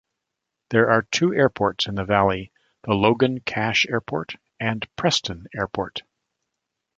There are two airports in the valley, the Logan-Cache Airport and Preston Airport.